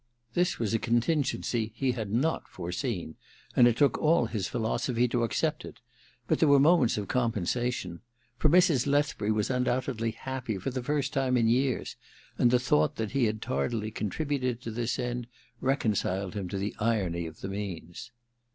This was a contingency he had not foreseen, and it took all his philosophy to accept it ; but there were moments of compensation. For Mrs. Ill THE MISSION OF JANE 175 Lethbiuy was undoubtedly happy for the first time in years ; and the thought that he had tardily contributed to this end reconciled him to the irony of the means.